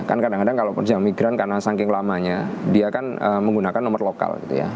kan kadang kadang kalau pekerja migran karena saking lamanya dia kan menggunakan nomor lokal gitu ya